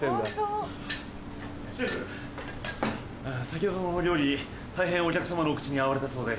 先ほどの料理大変お客さまのお口に合われたそうで。